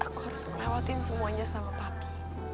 aku harus ngelewatin semuanya sama papi